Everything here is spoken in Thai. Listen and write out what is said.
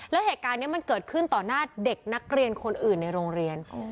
แล้วเหตุการณ์นี้มันเกิดขึ้นต่อหน้าเด็กนักเรียนคนอื่นในโรงเรียน